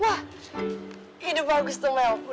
wah ide bagus tuh mel pun